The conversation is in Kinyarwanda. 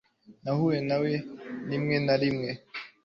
Nahuye na we rimwe na rimwe